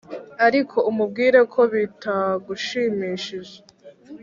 ariko umubwire ko bitagushimishije,